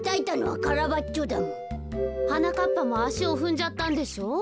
はなかっぱもあしをふんじゃったんでしょう？